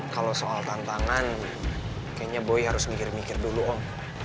kalau soal tantangan kayaknya boy harus mikir mikir dulu om